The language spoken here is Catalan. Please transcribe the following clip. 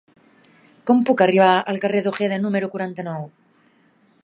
Com puc arribar al carrer d'Ojeda número quaranta-nou?